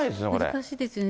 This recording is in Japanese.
難しいですよね。